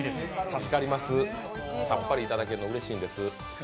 助かります、さっぱりいただけるのうれしいんです。